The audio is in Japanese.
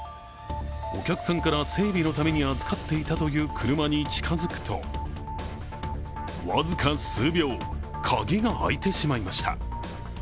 お客さんから整備のために預かっていたという車に近づくと、僅か数秒、鍵が開いてしまいました